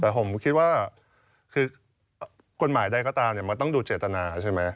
แต่ผมคิดว่าคือกฎหมายใดก็ตามมันต้องดูเจตนาใช่ไหม